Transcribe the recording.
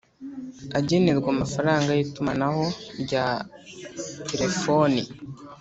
agenerwa amafaranga y itumanaho rya telefoni